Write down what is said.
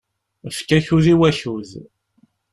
Efk akud i wakud